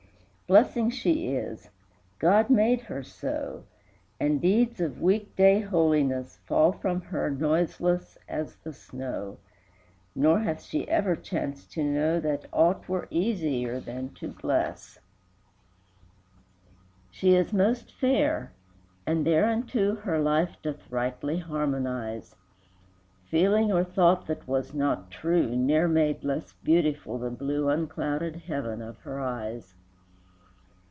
Blessing she is: God made her so, And deeds of weekday holiness Fall from her noiseless as the snow, Nor hath she ever chanced to know That aught were easier than to bless. VII. She is most fair, and thereunto Her life doth rightly harmonize; Feeling or thought that was not true Ne'er made less beautiful the blue Unclouded heaven of her eyes.